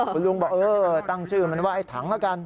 คุณลุงบอกเออตั้งชื่อมันว่าไอ้ถังละกัน